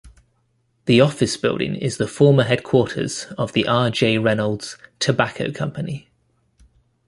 The office building is the former headquarters of the R. J. Reynolds Tobacco Company.